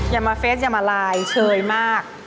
อย่ามาเฟสอย่ามาไลน์เชยมาก